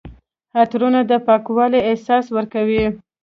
عطرونه د پاکوالي احساس ورکوي.